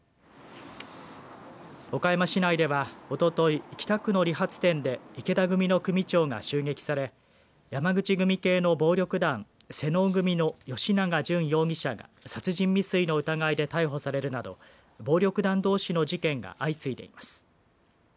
岡山市内では、おととい北区の理髪店で池田組の組長が襲撃され山口組系の暴力団、妹尾組の吉永淳容疑者が殺人未遂の疑いで逮捕されるなど暴力団どうしの事件が相次いでいます。